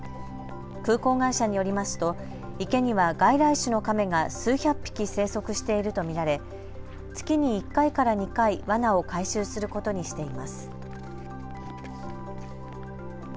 空港会社によりますと池には外来種のカメが数百匹生息していると見られ月に１回から２回、わなを回収することにしています。